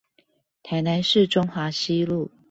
台南市中華西路